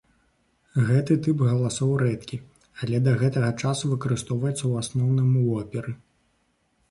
Гэты тып галасоў рэдкі, але да гэтага часу выкарыстоўваецца, у асноўным, у оперы.